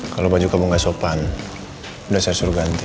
kalau baju kamu gak sopan udah saya suruh ganti